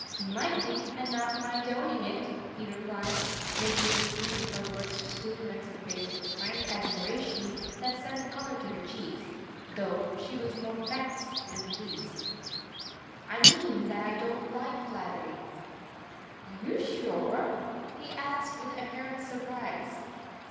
"You might be, and not mind owning it," he replied, making an excuse of her words to scrutinise her face with a frank admiration that sent the colour to her cheeks, though she was more vexed than pleased. "I mean that I don't like flattery." "Are you sure?" he asked, with apparent surprise.